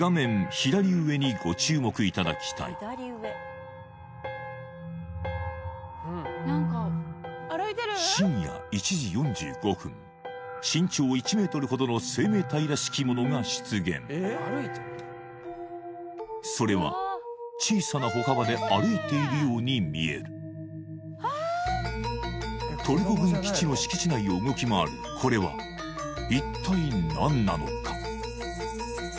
左上にご注目いただきたい深夜１時４５分身長１ｍほどの生命体らしきものが出現それは小さな歩幅で歩いているように見えるトルコ軍基地の敷地内を動き回るこれは一体何なのか？